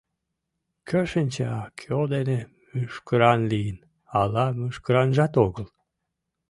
— Кӧ шинча, кӧ дене мӱшкыран лийын, ала мӱшкыранжат огыл.